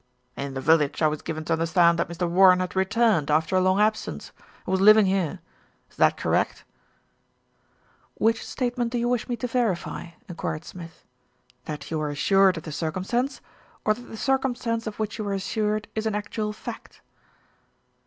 "In the village I was given to understand that Mr. Warren had returned after a long absence, and was living here. Is that correct?" "Which statement do you wish me to verify?" en quired Smith. "That you were assured of the cir cumstance, or that the circumstance of which you were assured is an actual fact?"